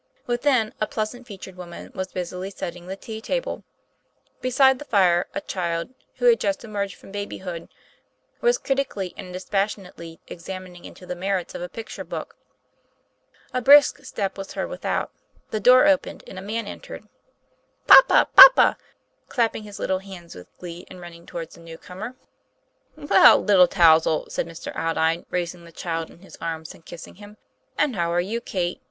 Within, a pleasant featured woman was busily setting the tea table. Beside the fire, a child, who had just emerged from babyhood, was critically and dispassionately examining into the merits of a picture book. A brisk step was heard without, the door opened, and a man entered. "Papa! papa!" screamed the child, clapping his little hands with glee and running toward the new comer. 220 TOM PLAYFAIR. "Well, little Touzle," said Mr. Aldine, raising the child in his arms and kissing him, " and how are you, Kate